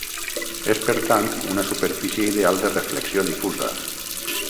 És per tant una superfície ideal de reflexió difusa.